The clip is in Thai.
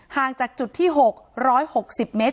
ห่างจากจุดที่๖๖๐เมตร